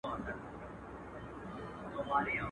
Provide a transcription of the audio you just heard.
ږيره زما، اختيار ئې د بل.